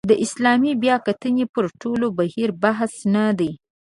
د اسلامي بیاکتنې پر ټول بهیر بحث نه دی.